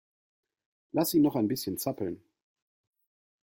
Lass sie noch ein bisschen zappeln.